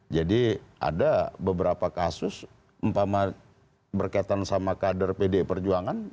jadi ada beberapa kasus berkaitan sama kader pdi perjuangan